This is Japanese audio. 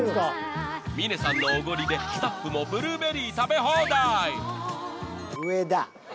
［峰さんのおごりでスタッフもブルーベリー食べ放題］